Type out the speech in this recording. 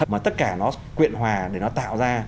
mà tất cả nó quyện hòa để nó tạo ra